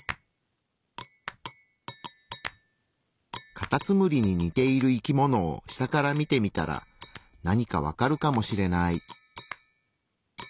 カタツムリに似ている生き物を下から見てみたらなにか分かるかもしれない。